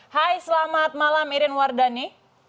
hai selamat malam irin wardani